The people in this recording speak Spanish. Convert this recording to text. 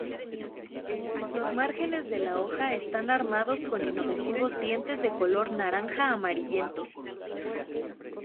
Los márgenes de la hoja están armados con inofensivos dientes de color naranja amarillento.